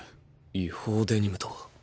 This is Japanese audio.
違法デニムとは？